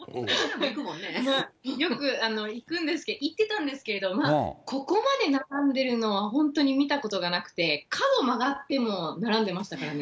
よく行くんですけど、行ってたんですけど、ここまで並んでるのは本当に見たことがなくて、角曲がっても並んでましたからね。